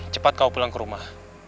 cepat kau pulang ke rumah